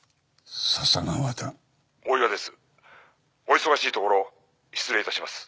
お忙しいところ失礼致します」